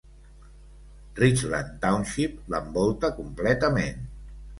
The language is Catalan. Richland Township l'envolta completament.